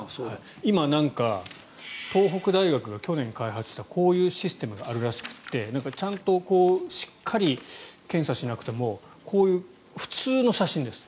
今、東北大学が去年開発したこういうシステムがあるらしくてちゃんとしっかり検査しなくてもこういう普通の写真です。